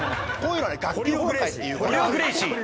ホリオン・グレイシー！